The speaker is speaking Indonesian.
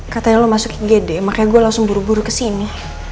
katanya lo masuk igd makanya gue langsung buru buru kesini